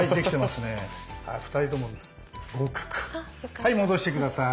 はい戻して下さい。